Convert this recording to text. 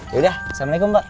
ya udah assalamualaikum pak